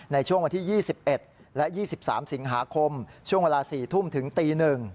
ในช่วงวันที่๒๑และ๒๓สิงหาคมช่วงเวลา๔ทุ่มถึงตี๑